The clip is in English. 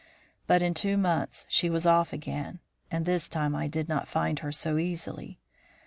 But in two months she was off again, and this time I did not find her so easily.